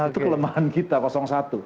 itu kelemahan kita satu